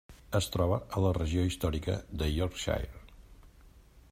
Es troba a la regió històrica de Yorkshire.